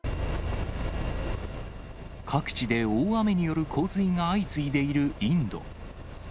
各地で大雨による洪水が相次いでいるインド。